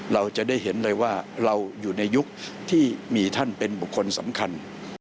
เราจะได้เห็นเลยว่าเราอยู่ในยุคที่มีท่านเป็นบุคคลสำคัญ